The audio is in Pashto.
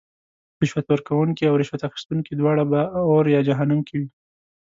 رشوت ورکوونکې او رشوت اخیستونکې دواړه به اور یا جهنم کې وی .